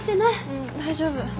うん大丈夫。